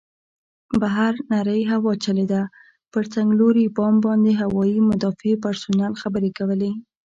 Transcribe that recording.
بهر نرۍ هوا چلېده، پر څنګلوري بام باندې هوايي مدافع پرسونل خبرې کولې.